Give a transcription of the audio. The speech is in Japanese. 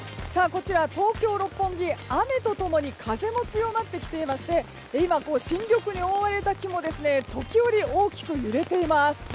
こちら、東京・六本木は雨と共に風も強まってきていまして今、新緑に覆われた木も時折大きく揺れています。